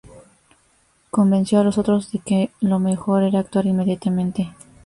Convenció a los otros de que lo mejor era actuar inmediatamente.